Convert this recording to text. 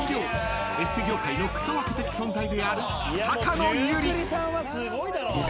［エステ業界の草分け的存在である］